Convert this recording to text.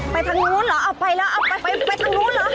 ไปทางนู้นเหรออ้อไปแล้วอ้อไปตรงนู้นเหรอ